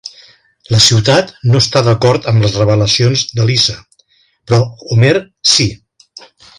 La ciutat no està d'acord amb les revelacions de Lisa, però Homer sí.